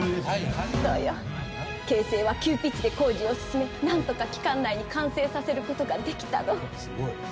京成は急ピッチで工事を進めなんとか期間内に完成させることができたの。